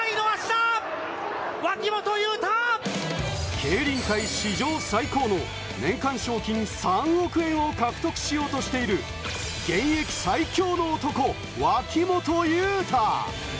競輪界史上最高の年間賞金３億円を獲得しようとしている元気最強の男・脇本雄太。